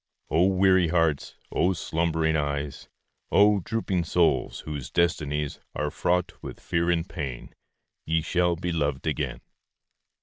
O weary hearts! O slumbering eyes! O drooping souls, whose destinies Are fraught with fear and pain, Ye shall be loved again!